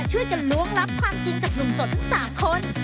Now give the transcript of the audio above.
ช่วยกันล้วงลับความจริงจากหนุ่มโสดทั้ง๓คน